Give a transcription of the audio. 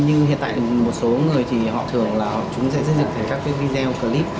như hiện tại một số người thì họ thường là chúng sẽ xây dựng các cái video